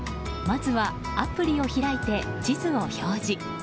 まずはアプリを開いて地図を表示。